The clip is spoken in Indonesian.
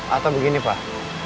atau begini pak